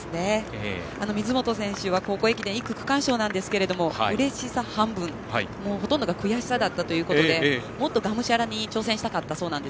水本選手は高校駅伝１区、区間賞ですがうれしさ半分、ほとんどが悔しさだったということでもっとがむしゃらに挑戦したかったそうです。